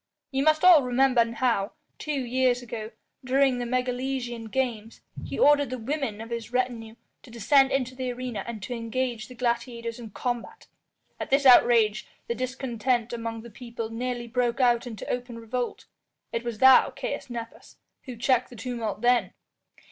Ye must all remember how, two years ago, during the Megalesian games he ordered the women of his retinue to descend into the arena and to engage the gladiators in combat. At this outrage the discontent among the people nearly broke out into open revolt. It was thou, Caius Nepos, who checked the tumult then."